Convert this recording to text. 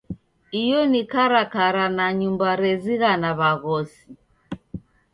Iyo ni karakara na nyumba rezighana w'aghosi.